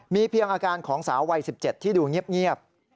มีเพียงอาการของสาววัย๑๗ที่ดูเงียบ